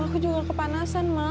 aduh aku juga kepanasan ma